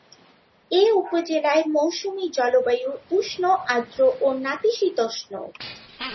এ উপজেলার মৌসুমী জলবায়ু উষ্ণ, আর্দ্র ও নাতিশীতোষ্ণ।